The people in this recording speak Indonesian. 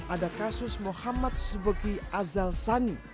ada kasus muhammad subeki azal sani